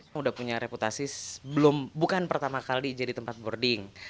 sudah punya reputasi bukan pertama kali jadi tempat boarding